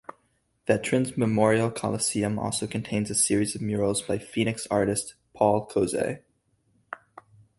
Veterans Memorial Coliseum also contains a series of murals by Phoenix artist Paul Coze.